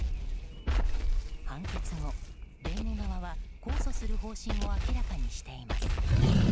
判決後、弁護側は控訴する方針を明らかにしています。